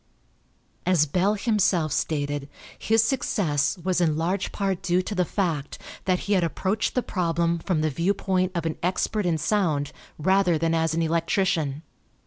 As Bell himself stated, his success was in large part due to the fact that he had approached the problem from the viewpoint of an expert in sound rather than as an electrician.